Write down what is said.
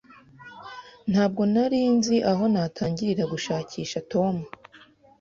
Ntabwo nari nzi aho natangirira gushakisha Tom.